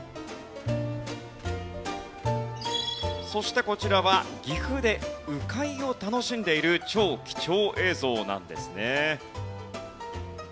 そしてこちらは岐阜で鵜飼いを楽しんでいる超貴重映像なんですね。